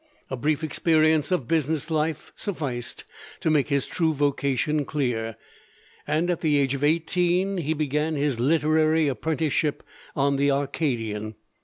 A brief experience of business life sufficed to make his true vocation clear, and at the age of eighteen he began his literary apprenticeship on the Arcadian.